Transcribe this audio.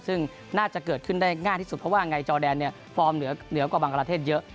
ซึ่งน่าจะเกิดขึ้นได้ง่ายที่สุดเพราะว่าไงจอแดนเนี่ยฟอร์มเหนือกว่าบังกลาเทศเยอะ